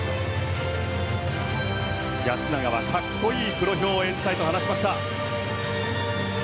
安永は格好いい黒豹を演じたいと話しました。